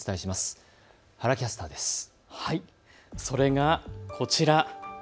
それが、こちら。